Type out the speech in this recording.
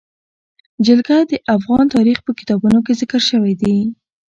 جلګه د افغان تاریخ په کتابونو کې ذکر شوی دي.